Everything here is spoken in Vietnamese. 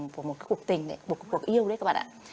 của một cái cuộc tình đấy một cuộc yêu đấy các bạn ạ